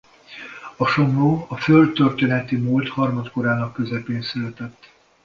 A Somló a földtörténeti múlt harmadkorának közepén született.